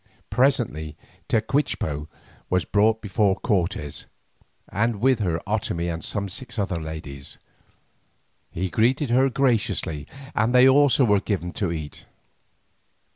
Presently, Tecuichpo was brought before Cortes, and with her Otomie and some six other ladies. He greeted her graciously, and they also were given to eat.